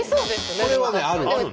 これはねあるわ。